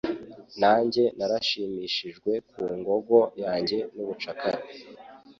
Nanjye narashimishijwe ku ngogo yanjye y'ubucakara